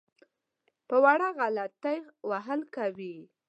په وړه غلطۍ وهل کوي.